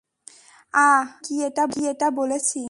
আ-আমি কি এটা বলেছি?